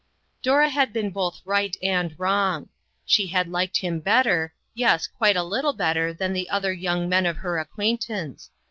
Dora had been both right and wrong. She had liked him better, yes, quite a little better than the other young men of her ac quaintance.